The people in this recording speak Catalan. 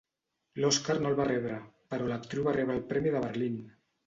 L'Oscar no el va rebre, però l'actriu va rebre el premi de Berlín.